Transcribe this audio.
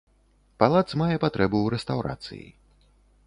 Палац мае патрэбу ў рэстаўрацыі.